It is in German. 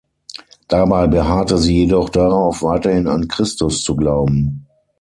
Dabei beharrte sie jedoch darauf, weiterhin an Christus zu glauben.